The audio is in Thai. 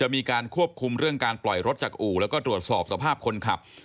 มีการควบคุมเรื่องการปล่อยรถจากอู่แล้วก็ตรวจสอบสภาพคนขับ